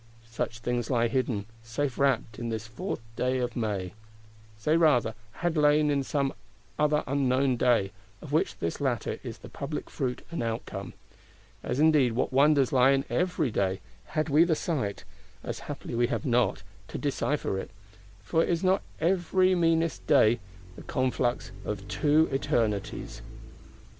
Such things lie hidden, safe wrapt in this Fourth day of May;—say rather, had lain in some other unknown day, of which this latter is the public fruit and outcome. As indeed what wonders lie in every Day,—had we the sight, as happily we have not, to decipher it: for is not every meanest Day "the conflux of two Eternities!"